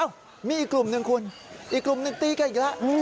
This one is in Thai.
มีอีกกลุ่มหนึ่งคุณอีกกลุ่มหนึ่งตีแกอีกแล้ว